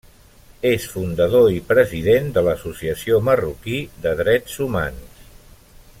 És fundador i President de l'Associació Marroquí de Drets Humans.